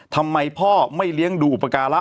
ทำไมพ่อไม่เลี้ยงดูอุปการะ